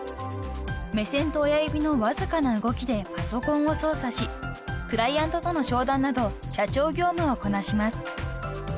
［目線と親指のわずかな動きでパソコンを操作しクライアントとの商談など社長業務をこなします］